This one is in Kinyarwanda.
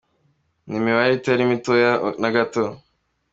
Ni imibare itari mitoya na gato.